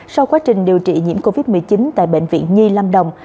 sau quá trình điều trị nhiễm covid một mươi chín tại bệnh viện nhi lâm đồng